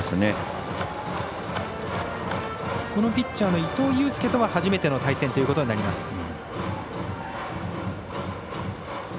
このピッチャーの伊藤祐輔とは初めての対戦ということになります。